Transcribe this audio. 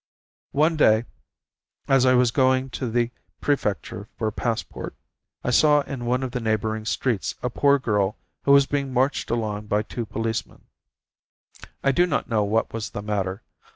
One day, as I was going to the Prefecture for a passport, I saw in one of the neighbouring streets a poor girl who was being marched along by two policemen. I do not know what was the matter.